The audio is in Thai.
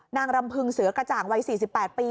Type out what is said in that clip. นางรำพึงเสือกระจ่างวัย๔๘ปี